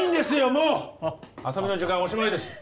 もう遊びの時間はおしまいです